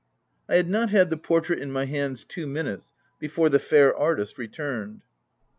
I had not had the portrait in my hands two minutes before the fair artist returned.